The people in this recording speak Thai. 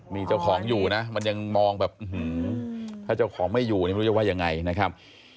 มีเจ้าของอยู่นะมันยังมองแบบถ้าเจ้าของไม่อยู่นี่ไม่รู้จะว่ายังไงนะครับ